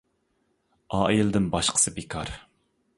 ئائىلىدىن باشقىسى بىكار.